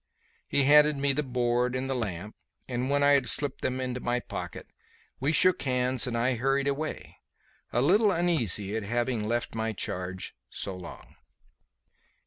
He handed me the board and the lamp, and, when I had slipped them into my pocket, we shook hands and I hurried away, a little uneasy at having left my charge so long.